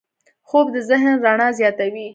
خوب د ذهن رڼا زیاتوي